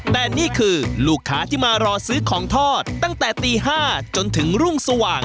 แต่นี่คือลูกค้าที่มารอซื้อของทอดตั้งแต่ตี๕จนถึงรุ่งสว่าง